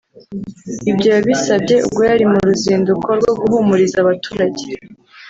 Ibyo yabisabye ubwo yari mu ruzinduko rwo guhumuriza abaturage